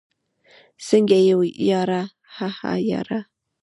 څنګه يې ياره؟ هههه ياره